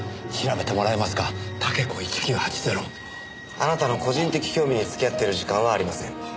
あなたの個人的興味に付き合っている時間はありません。